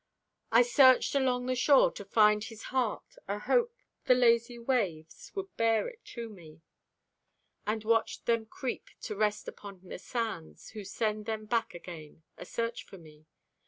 I searched along the shore to find His heart, Ahope the lazy waves would bear it me; And watched them creep to rest upon the sands, Who sent them back again, asearch for me.